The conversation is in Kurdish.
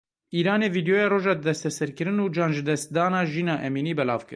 Îranê vîdyoya roja desteserkirin û canjidestdana Jîna Emînî belav kir.